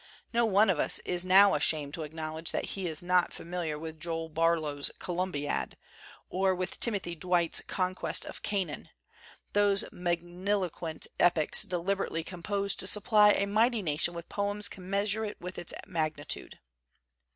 No one of us is now ashamed to acknowledge that he is not 88 THE CENTENARY OF A QUESTION familiar with Joel Barlow's 'ColumbiacT or with Timothy Dwight's 'Conquest of Canaan/ those magniloquent epics deliberately com posed to supply a mighty nation with poems commensurate with its magnitude.